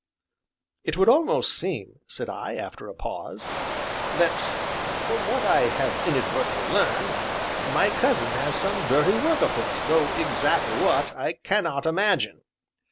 "It would almost seem," said I, after a pause, "that, from what I have inadvertently learned, my cousin has some dirty work afoot, though exactly what, I cannot imagine."